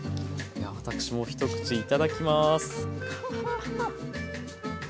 私も一口いただきます。